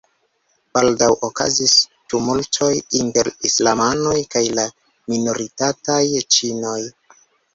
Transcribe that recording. Baldaŭ okazis tumultoj inter islamanoj kaj la minoritataj ĉinoj.